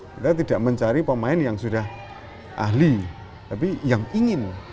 kita tidak mencari pemain yang sudah ahli tapi yang ingin